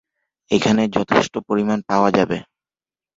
এখানে যথেষ্ট পরিমাণ পাওয়া যাবে?